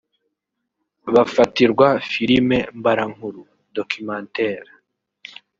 bafatirwa filime mbarankuru(Documentaire)